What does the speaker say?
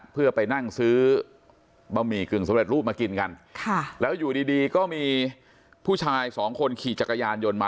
เพื่อไปนั่งซื้อบะหมี่กึ่งสำเร็จรูปมากินกันค่ะแล้วอยู่ดีดีก็มีผู้ชายสองคนขี่จักรยานยนต์มา